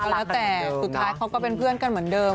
แล้วแต่สุดท้ายเขาก็เป็นเพื่อนกันเหมือนเดิม